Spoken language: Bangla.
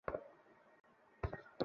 রাউন্ড, রাউন্ড, রাউন্ড এবং রাউন্ড!